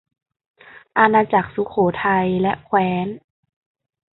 อาณาจักรสุโขทัยและแคว้น